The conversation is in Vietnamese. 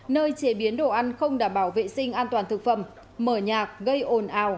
nơi chế biến đồ ăn không đảm bảo vệ sinh an toàn thực phẩm mở nhạc gây ồn ào